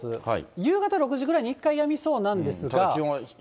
夕方６時ぐらいに一回やみそうなんですが。